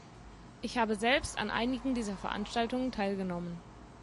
Ich habe selbst an einigen dieser Veranstaltungen teilgenommen.